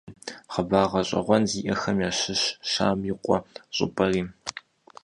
Хъыбар гъэщӀэгъуэн зиӀэхэм ящыщщ «Щам и къуэ» щӀыпӀэри.